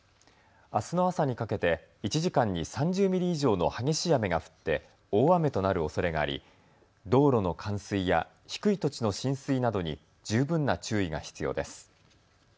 あすの朝にかけて１時間に３０ミリ以上の激しい雨が降って大雨となるおそれがあり道路の冠水や低い土地の浸水などに十分な注意が必要です。